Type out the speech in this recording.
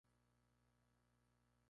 La araña lo muerde y queda paralizado.